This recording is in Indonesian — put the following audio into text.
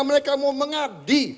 mereka mau mengabdi